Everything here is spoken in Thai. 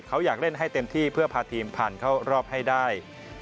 เขาอยากเล่นให้เต็มที่เพื่อพาทีมผ่านเข้ารอบให้ได้